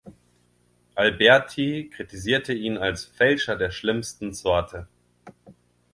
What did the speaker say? Alberti kritisierte ihn als „Fälscher der schlimmsten Sorte“.